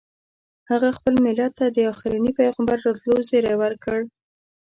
هغه خپل ملت ته د اخرني پیغمبر راتلو زیری ورکړ.